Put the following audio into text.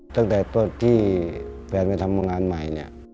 ตั้งแต่ตอนที่แฟนไปทำงานใหม่